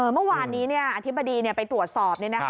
เมื่อวานนี้อธิบดีไปตรวจสอบ